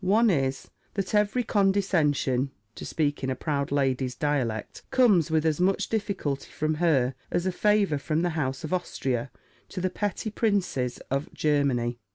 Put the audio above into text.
One is, That every condescension (to speak in a proud lady's dialect) comes with as much difficulty from her, as a favour from the House of Austria to the petty princes of Germany.